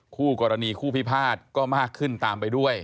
คู่กรณีคู่พิพาทก็มากขึ้นตามไปด้วย